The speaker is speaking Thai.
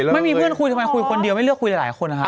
ไม่มีเพื่อนคุยทำไมคุยคนเดียวไม่เลือกคุยหลายคนนะครับ